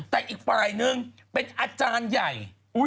แต่อีกฝ่ายนึงเป็นอาจารย์ใหญ่